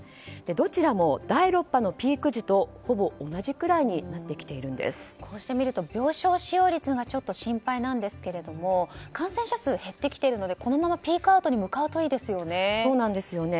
どちらも、第６波のピーク時とほぼ同じぐらいにこうして見ると病床使用率が心配なんですが感染者数、減ってきているのでこのままピークアウトに向かうといいですよね。